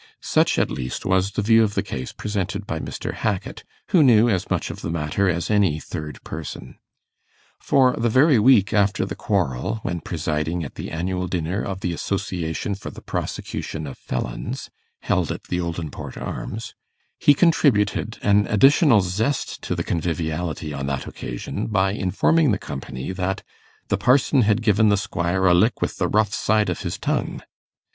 Such, at least, was the view of the case presented by Mr. Hackit, who knew as much of the matter as any third person. For, the very week after the quarrel, when presiding at the annual dinner of the Association for the Prosecution of Felons, held at the Oldinport Arms, he contributed an additional zest to the conviviality on that occasion by informing the company that 'the parson had given the squire a lick with the rough side of his tongue.